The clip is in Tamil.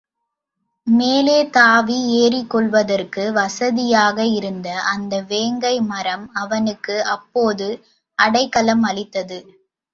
மேலே தாவி ஏறிக்கொள்வதற்கு வசதியாக இருந்த அந்த வேங்கை மரம் அவனுக்கு அப்போது அடைக்கலம் அளித்தது.